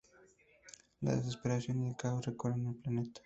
La desesperación y el caos recorren el planeta.